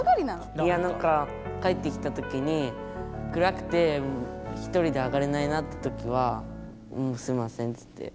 いやなんか帰ってきたときにくらくて１人で上がれないなってときは「すいません」っつって。